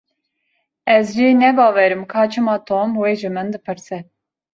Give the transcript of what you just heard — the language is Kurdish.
Ez jê nebawerim ka çima Tom wê ji min dipirse.